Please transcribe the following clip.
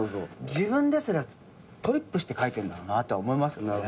自分ですらトリップして書いてんだろうなと思いますけど。